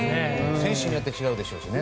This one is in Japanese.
選手によって違うでしょうしね。